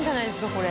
これ。